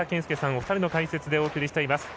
お二人の解説でお伝えしています。